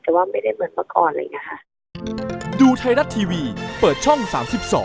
แต่ว่าไม่ได้เมื่อก่อนเลยนะคะ